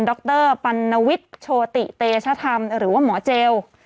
ดรปัณวิทย์โชติเตชธรรมหรือว่าหมอเจล